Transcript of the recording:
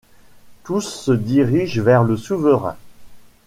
Tous se dirigent vers le souverain.